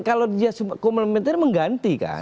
kalau dia komplementer mengganti kan